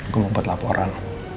gua mau buat laporan